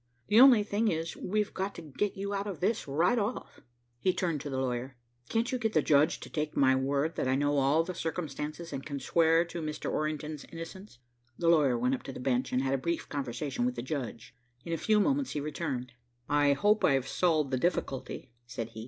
The only thing is, we've got to get you out of this right off." He turned to the lawyer. "Can't you get the judge to take my word that I know all the circumstances, and can swear to Mr. Orrington's innocence?" The lawyer went up to the bench and had a brief conversation with the judge. In a few moments he returned. "I hope I've solved the difficulty," said he.